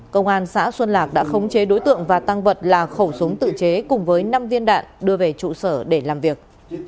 công an xã xuân lạc đã khống chế đối tượng và tăng vật là khẩu súng tự chế cùng với năm viên đạn đưa về trụ sở để làm việc